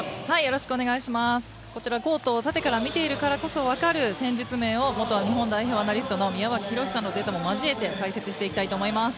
こちら、コートを縦から見ているからこそ分かる戦術面を元日本代表アナリストの宮脇ヒロシさんのデータも交えて解説します。